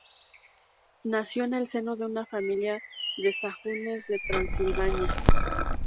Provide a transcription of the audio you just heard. Nació en el seno de una familia de Sajones de Transilvania.